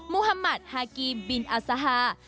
มุฮัมมัธฮากิมบินอาซาฮา